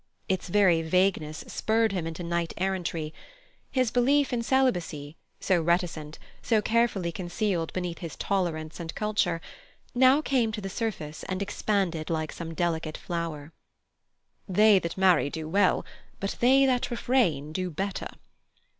Its very vagueness spurred him into knight errantry. His belief in celibacy, so reticent, so carefully concealed beneath his tolerance and culture, now came to the surface and expanded like some delicate flower. "They that marry do well, but they that refrain do better."